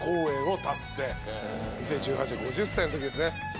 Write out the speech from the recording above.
２０１８年５０歳のときですね。